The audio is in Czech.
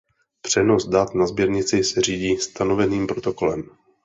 Přenos dat na sběrnici se řídí stanoveným protokolem.